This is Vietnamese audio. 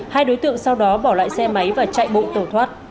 hai đối tượng sau đó bỏ lại xe máy và chạy bộ tẩu thoát